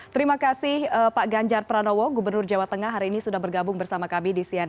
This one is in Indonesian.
terima kasih pak ganjar pranowo gubernur jawa tengah hari ini sudah bergabung bersama kami di cnn indonesia